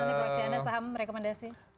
ada saham rekomendasi